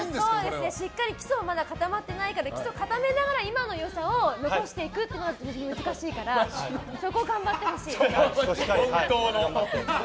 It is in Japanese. しっかり基礎がまだ固まってないから基礎固めてから今の良さを残していくのは難しいからそこを頑張ってほしい。